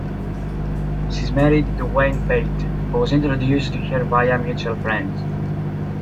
She is married to Wayne Pate, who was introduced to her via mutual friends.